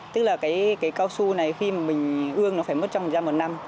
tức là cái cao su này khi mà mình ương nó phải mất trong một ra một năm